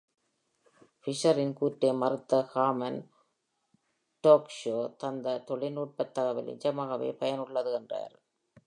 Fischer இன் கூற்றை மறுத்த Hoffman, Tolkachev தந்த தொழில்நுட்ப தகவல் நிஜமாகவே பயனுள்ளது என்றார்.